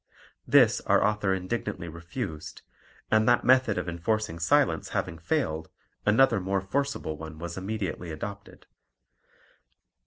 This our author indignantly refused; and that method of enforcing silence having failed, another more forcible one was immediately adopted.